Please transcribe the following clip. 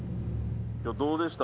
今日どうでした？